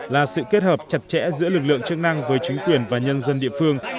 là sự kết hợp chặt chẽ giữa lực lượng chức năng với chính quyền và nhân dân địa phương